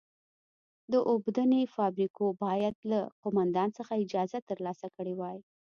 د اوبدنې فابریکو باید له قومندان څخه اجازه ترلاسه کړې وای.